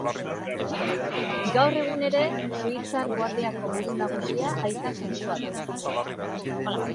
Gaur egun ere, Suitzar Guardiako buru nagusia Aita santua da.